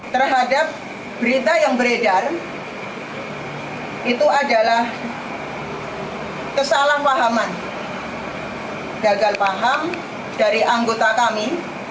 terhadap berita yang beredar itu adalah kesalahpahaman gagal paham dari anggota kami